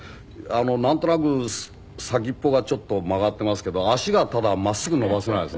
なんとなく先っぽがちょっと曲がってますけど足がただ真っすぐ伸ばせないんですよね。